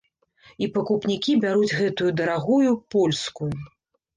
І пакупнікі бяруць гэтую дарагую, польскую.